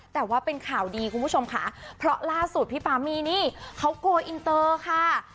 แต่ว่าเป็นข่าวดีคุณผู้ชมค่ะเพราะล่าสุดพี่ปามีนี่เขาโกอินเตอร์ค่ะ